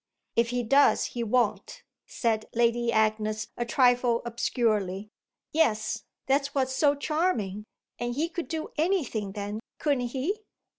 "If he does he won't," said Lady Agnes a trifle obscurely. "Yes, that's what's so charming. And he could do anything then, couldn't he?"